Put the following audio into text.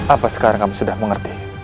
apa sekarang kamu sudah mengerti